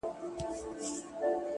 درده دردونو سره شپې تېروم.!